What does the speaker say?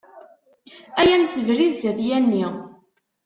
Ay amsebrid s at Yanni.